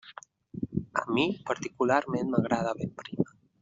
A mi particularment m'agrada ben prima.